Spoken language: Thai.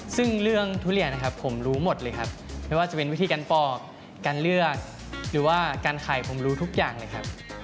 ซึ่งเรื่องทุเรียนนะครับผมรู้หมดเลยครับไม่ว่าจะเป็นวิธีการปอกการเลือกหรือว่าการไข่ผมรู้ทุกอย่างเลยครับ